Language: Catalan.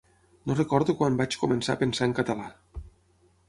No recordo quan vaig començar a pensar en català.